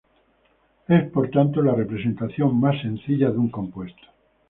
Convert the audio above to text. Es por tanto la representación más sencilla de un compuesto.